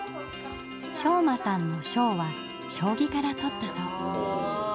将真さんの「将」は将棋から取ったそう。